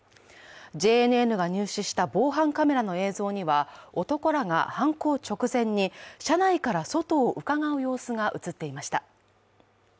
ＪＮＮが入手した防犯カメラの映像には男らが犯行直前に車内から外をうかがう様子が映っていました。